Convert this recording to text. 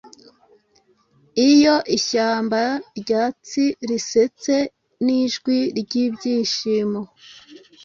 Iyo ishyamba ryatsi risetse nijwi ryibyishimo,